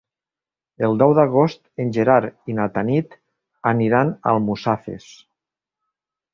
El deu d'agost en Gerard i na Tanit aniran a Almussafes.